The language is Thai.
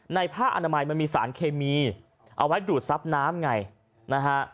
ผ้าอนามัยมันมีสารเคมีเอาไว้ดูดซับน้ำไงนะฮะ